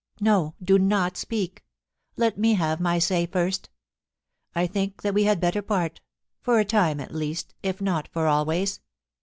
No, do not speak ; let me have my say first I think that we had better part — for a time at least — if not for always.